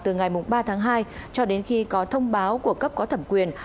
từ ngày ba tháng hai cho đến khi có thông báo của cấp có thẩm quyền